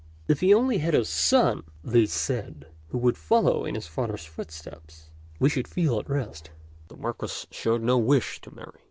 " If he only had a son," they said, "who would follow in his father's footsteps, we should feel at rest "; but the Marquis showed no wish to marry.